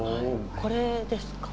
これですか？